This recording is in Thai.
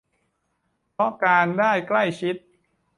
เพราะการได้ใกล้ชิด